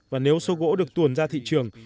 và nếu số gỗ được tuồn ra thị trường